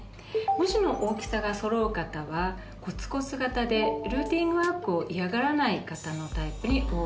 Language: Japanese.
文字の大きさがそろう方はコツコツ型でルーチンワークを嫌がらない方のタイプに多い特徴です。